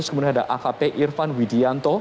kemudian ada akp irfan widianto